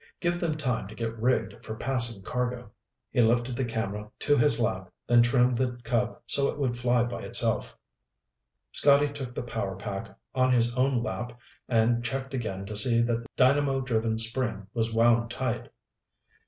Give them time to get rigged for passing cargo." He lifted the camera to his lap, then trimmed the Cub so it would fly by itself. Scotty took the power pack on his own lap and checked again to see that the dynamo driven spring was wound tight.